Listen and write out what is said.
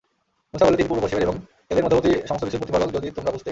মূসা বলল, তিনি পূর্ব-পশ্চিমের এবং এদের মধ্যবর্তী সমস্ত কিছুর প্রতিপালক যদি তোমরা বুঝতে।